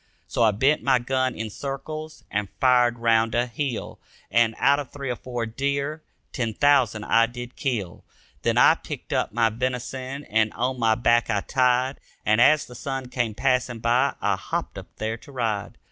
So I bent my gun in circles and fired round a hill. And, out of three or four deer, ten thousand I did kill. Then I picked up my venison and on my back I tied And as the sun came passing by I hopped up there to ride.